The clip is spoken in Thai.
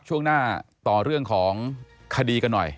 ช่วงหน้าต่อเรื่องของคดีกันหน่อย